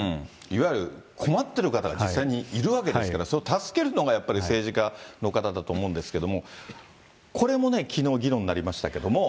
いわゆる困ってる方が実際にいるわけですから、それを助けるのがやっぱり政治家の方だと思うんですけれども、これもね、きのう、議論になりましたけども。